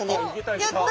やった！